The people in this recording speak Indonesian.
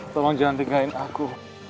tolong jangan tinggalkan aku